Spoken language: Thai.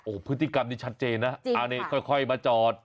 โหพฤติกรรมนี่ชัดเจนนะค่อยมาจอด